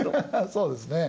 そうですね。